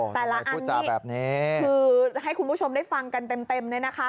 แต่ละอันที่คือให้คุณผู้ชมได้ฟังกันเต็มเนี่ยนะคะ